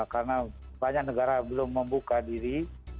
karena banyak negara belum membuka diri